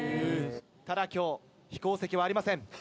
ただ今日飛行石はありません。